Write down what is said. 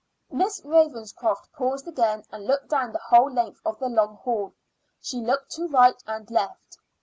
Miss Ravenscroft paused again and looked down the whole length of the long hall. She looked to right and left.